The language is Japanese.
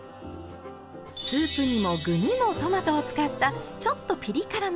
スープにも具にもトマトを使ったちょっとピリ辛のラーメン。